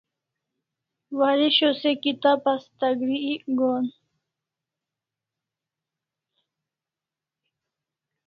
Waresho se kibat asta gri ek gohan